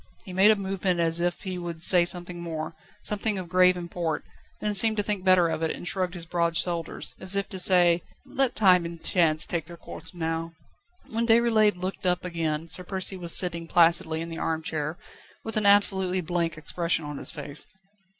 He made a movement as if he would say something more, something of grave import, then seemed to think better of it, and shrugged his broad shoulders, as if to say: "Let time and chance take their course now." When Déroulède looked up again Sir Percy was sitting placidly in the arm chair, with an absolutely blank expression on his face.